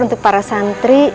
untuk para santri